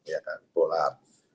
ya kan bolat